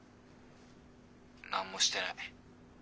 何もしてない。